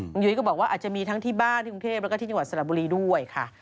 คุณยุ้ยก็บอกว่าอาจจะมีทั้งที่บ้านที่กรุงเทพแล้วก็ที่จังหวัดสระบุรีด้วยค่ะ